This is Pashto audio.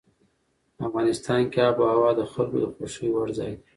افغانستان کې آب وهوا د خلکو د خوښې وړ ځای دی.